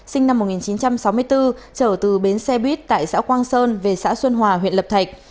sinh năm một nghìn chín trăm sáu mươi bốn trở từ bến xe buýt tại xã quang sơn về xã xuân hòa huyện lập thạch